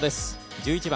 １１番。